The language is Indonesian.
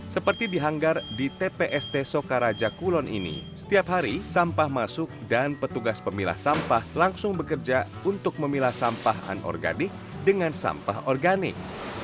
seperti di hanggar di tpst sokaraja kulon ini setiap hari sampah masuk dan petugas pemilah sampah langsung bekerja untuk memilah sampah anorganik dengan sampah organik